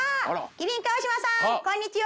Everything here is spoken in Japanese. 麒麟川島さんこんにちは！